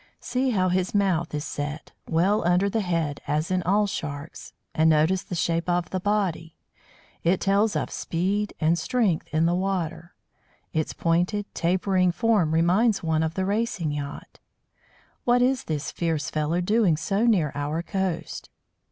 See how his mouth is set, well under the head, as in all Sharks; and notice the shape of the body. It tells of speed and strength in the water; its pointed, tapering form reminds one of the racing yacht. [Illustration: THE WHITE RAY] What is this fierce fellow doing so near our coast?